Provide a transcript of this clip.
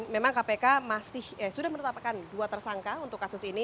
memang kpk masih sudah menetapkan dua tersangka untuk kasus ini